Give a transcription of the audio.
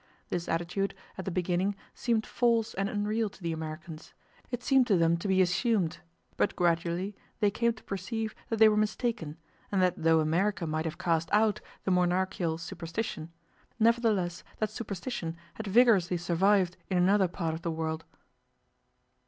This attitude, at the beginning, seemed false and unreal to the Americans; it seemed to them to be assumed; but gradually they came to perceive that they were mistaken, and that though America might have cast out 'the monarchial superstition', nevertheless that 'superstition' had vigorously survived in another part of the world.